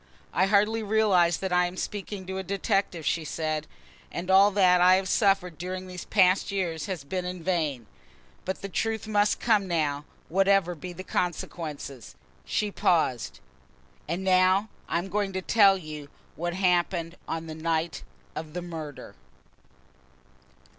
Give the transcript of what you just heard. "I hardly realise that I am speaking to a detective," she said, "and all that I have suffered during these past years has been in vain; but the truth must come now, whatever be the consequences." She paused. "And now I am going to tell you what happened on the night of the murder."